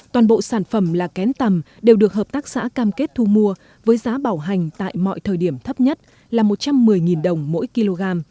toàn bộ sản phẩm là kén tầm đều được hợp tác xã cam kết thu mua với giá bảo hành tại mọi thời điểm thấp nhất là một trăm một mươi đồng mỗi kg